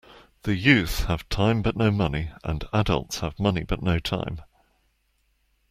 The youth have time but no money and adults have money but no time.